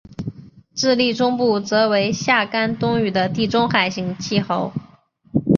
智利中部则为夏干冬雨的地中海型气候。